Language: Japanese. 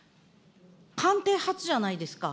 官邸発じゃないですか。